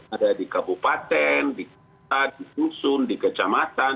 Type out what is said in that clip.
ada di kabupaten di kota di susun di kecamatan